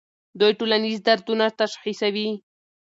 دوی ټولنیز دردونه تشخیصوي.